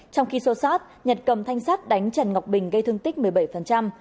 trong khi sô sát nhật cầm thanh sát đánh trần ngọc bình gây thương tích một mươi bảy